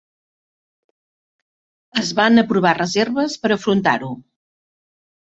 Es van aprovar reserves per afrontar-ho.